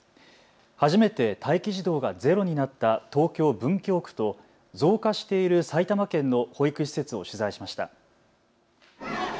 初めて待機児童がゼロになった東京文京区と増加している埼玉県の保育施設を取材しました。